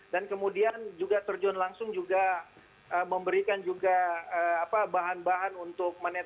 dan kemudian juga terjun langsung juga memberikan juga bahan bahan untuk manajemen